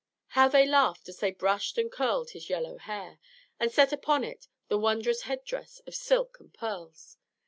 How they laughed as they brushed and curled his yellow hair, and set upon it the wondrous headdress of silk and pearls!